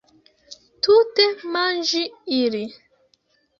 Tute manĝi ili.